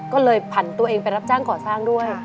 ก็เลยผันตัวเองไปรับจ้างก่อสร้างด้วย